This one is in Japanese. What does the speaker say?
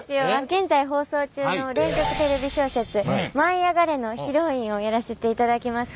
現在放送中の連続テレビ小説「舞いあがれ！」のヒロインをやらせていただきます